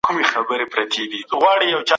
ځوانان بايد کوم ډول کتابونه مطالعه کړي؟